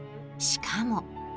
しかも。